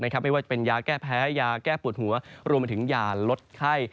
ไม่ว่าจะเป็นยาแก้แพ้ยาแก้ปวดหัวรวมไปถึงยาลดไข้